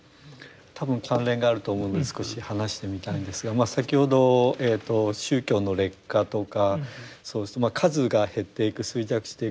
多分関連があると思うので少し話してみたいんですが先ほどえと宗教の劣化とかそうするとまあ数が減っていく衰弱していく。